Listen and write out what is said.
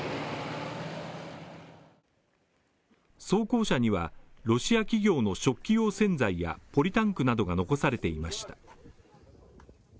装甲車には、ロシア企業の食器用洗剤やポリタンクなどが残されていました。